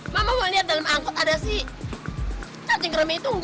mama mau liat dalam angkot ada si cacing kremi itu nggak